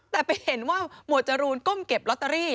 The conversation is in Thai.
แต่ไปเห็นว่าหมวดจรูนก้มเก็บลอตเตอรี่